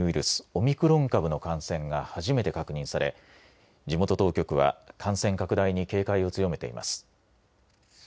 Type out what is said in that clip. スオミクロン株の感染が初めて確認され地元当局は感染拡大に警戒を強めています。